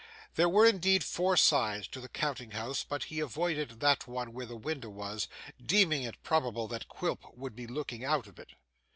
There were indeed four sides to the counting house, but he avoided that one where the window was, deeming it probable that Quilp would be looking out of it.